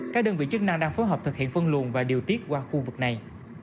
các đơn vị chức năng đang phối hợp thực hiện phân luồn và điều tiết qua khu vực này